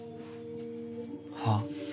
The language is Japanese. はあ？